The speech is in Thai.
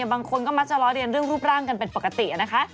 บางคนก็มักจะล้อเรียนเรื่องรูปร่างกันเป็นปกตินะคะ